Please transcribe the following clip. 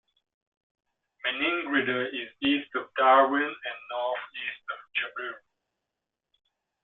Maningrida is east of Darwin, and north east of Jabiru.